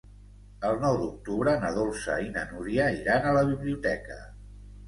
El nou d'octubre na Dolça i na Núria iran a la biblioteca.